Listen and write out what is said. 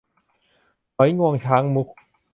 หอยงวงช้างมุก